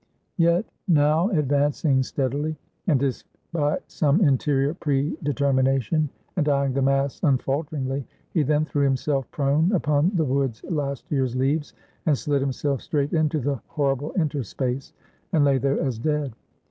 Yet now advancing steadily, and as if by some interior pre determination, and eying the mass unfalteringly; he then threw himself prone upon the wood's last year's leaves, and slid himself straight into the horrible interspace, and lay there as dead.